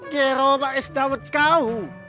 cerobah es dawet kau